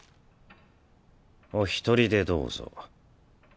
お一人でどうぞ。